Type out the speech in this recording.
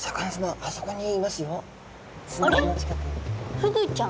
フグちゃん？